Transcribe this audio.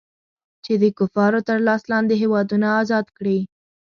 چې د کفارو تر لاس لاندې هېوادونه ازاد کړي.